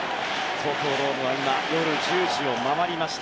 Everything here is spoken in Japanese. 東京ドームは夜１０時を回りました。